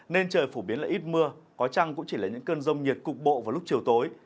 nên trời phổ biến là ít mưa có chăng cũng chỉ là những cơn rông nhiệt cục bộ vào lúc chiều tối